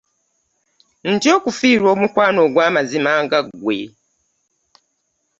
Ntya okufiirwa omukwano ow'amazima nga ggwe!